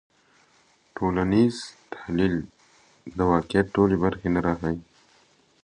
ټولنیز تحلیل د واقعیت ټولې برخې نه راښيي.